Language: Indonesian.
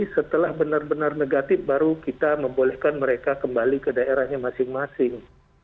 setelah benar benar negatif baru kita membolehkan mereka kembali ke daerahnya masing masing